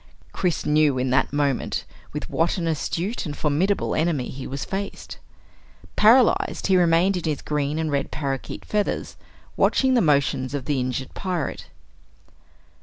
Chris knew in that moment with what an astute and formidable enemy he was faced. Paralyzed, he remained in his green and red parakeet feathers watching the motions of the injured pirate.